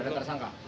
sudah ada tersangka